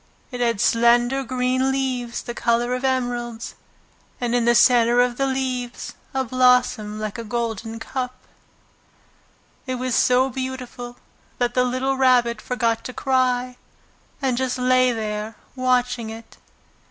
It had slender green leaves the colour of emeralds, and in the centre of the leaves a blossom like a golden cup. It was so beautiful that the little Rabbit forgot to cry, and just lay there watching it.